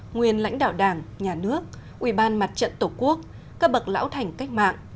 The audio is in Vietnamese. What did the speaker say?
nguyên lãnh đạo đảng nhà nước ủy ban mặt trận tổ quốc các bậc lão thành cách mạng